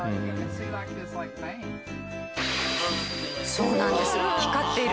そうなんです。